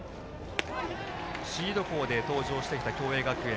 シード校で登場してきた共栄学園。